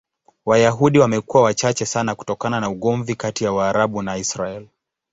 Wayahudi wamekuwa wachache sana kutokana na ugomvi kati ya Waarabu na Israel.